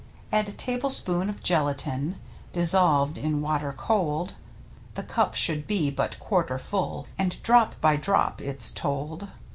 Add tablespoon of gelatine Dissolved in water cold (The cup should be but quarter full. And drop by drop it's told).